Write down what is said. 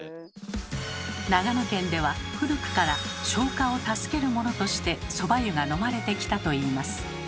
長野県では古くから消化を助けるものとしてそば湯が飲まれてきたといいます。